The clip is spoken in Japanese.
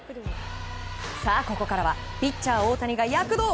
ここからはピッチャー大谷が躍動。